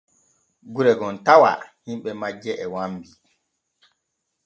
Gure gom tawa himɓe majje e wambi.